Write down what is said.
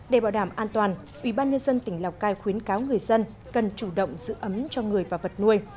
để bảo đảm an toàn ubnd tỉnh lào cai khuyến cáo người dân cần chủ động giữ ấm cho người và vật nuôi